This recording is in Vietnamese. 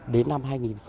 đến năm hai nghìn hai mươi